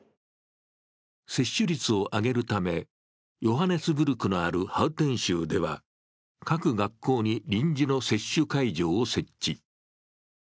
接種率を上げるためヨハネスブルクのあるハウテン州では、各学校に臨時の接種会場を設置。